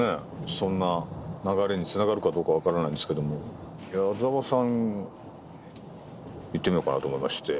そんな流れにつながるかどうか分からないんですけども矢沢さんいってみようかなと思いまして。